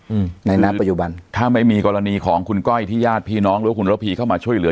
อืมในณปัจจุบันถ้าไม่มีกรณีของคุณก้อยที่ญาติพี่น้องหรือว่าคุณระพีเข้ามาช่วยเหลือ